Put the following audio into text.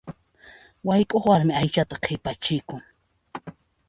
Wayk'uq warmi aychata qhipachikun.